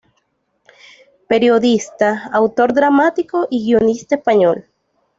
Periodista, autor dramático y guionista español.